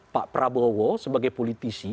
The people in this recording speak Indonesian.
pak prabowo sebagai politisi